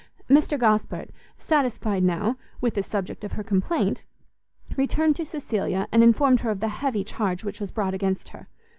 Mr Gosport, satisfied now with the subject of her complaint, returned to Cecilia, and informed her of the heavy charge which was brought against her.